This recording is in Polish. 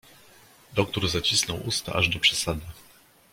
"Doktór zacisnął usta aż do przesady."